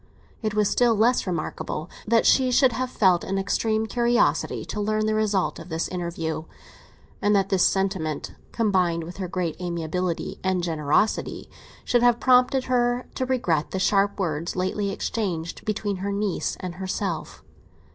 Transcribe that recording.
It was still less remarkable that she should have felt an extreme curiosity to learn the result of this interview, and that this sentiment, combined with her great amiability and generosity, should have prompted her to regret the sharp words lately exchanged between her niece and herself.